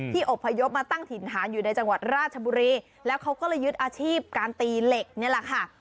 อบพยพมาตั้งถิ่นฐานอยู่ในจังหวัดราชบุรีแล้วเขาก็เลยยึดอาชีพการตีเหล็กนี่แหละค่ะ